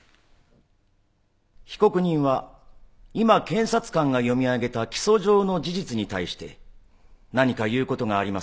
被告人は今検察官が読み上げた起訴状の事実に対して何か言う事がありますか？